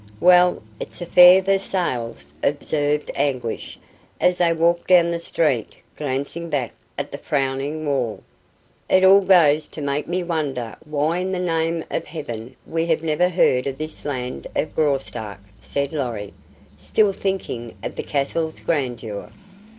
"Well, it's a fair Versailles," observed Anguish, as they walked down the street, glancing back at the frowning wall. "It all goes to make me wonder why in the name of heaven we have never heard of this land of Graustark," said Lorry, still thinking of the castle's grandeur.